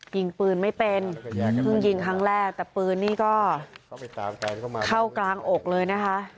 ยิงปืนไม่เป็นเพิ่งยิงครั้งแรกแต่ปืนนี่ก็เข้ากลางอกเลยนะคะ